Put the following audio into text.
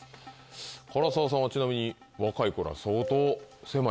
唐沢さんはちなみに。